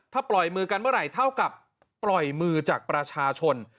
ถ้าปล่อยมือกันเมื่อไหร่เท่ากับปล่อยมือจากประชาชน